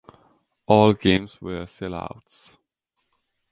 All games were sell-outs.